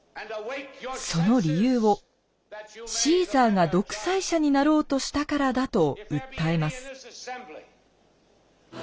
その理由を「シーザーが独裁者になろうとしたからだ」と訴えます。